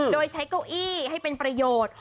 โดยใช้เก้าอี้ให้เป็นประโยชน์